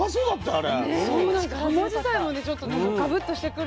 あれ？